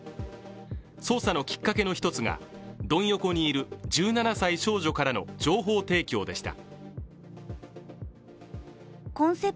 捜査のきっかけの一つがドン横にいる１７歳の少女からの情報提供でした。